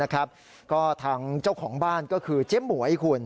ก็ทางเจ้าของบ้านก็คือเจ๊หมวยคุณ